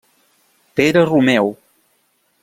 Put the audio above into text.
Pere Romeu.